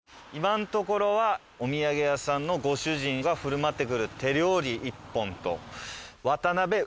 今のところはお土産屋さんのご主人が振る舞ってくれる手料理１本と。